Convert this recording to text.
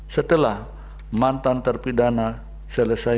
setelah mantan terpidana selesai